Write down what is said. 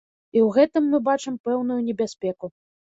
І ў гэтым мы бачым пэўную небяспеку.